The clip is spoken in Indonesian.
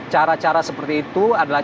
cara cara seperti itu adalah